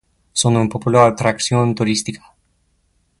Son una popular atracción turística.